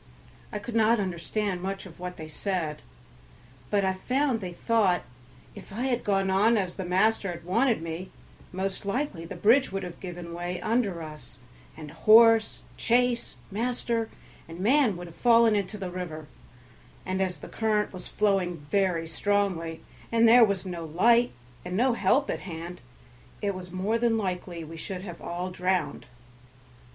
I could not understand much of what they said, but I found they thought, if I had gone on as the master wanted me, most likely the bridge would have given way under us, and horse, chaise, master, and man would have fallen into the river; and as the current was flowing very strongly, and there was no light and no help at hand, it was more than likely we should all have been drowned.